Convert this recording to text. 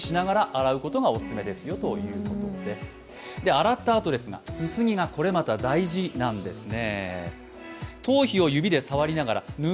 洗ったあとですが、すすぎがこれまた大事なんですね。